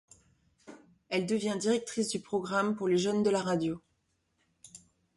Elle devient directrice du programme pour les jeunes de la radio.